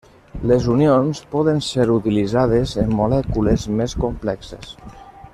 Les unions poden ser utilitzades en molècules més complexes.